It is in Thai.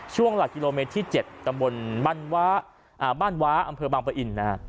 หลักกิโลเมตรที่๗ตำบลบ้านว้าอำเภอบางปะอินนะฮะ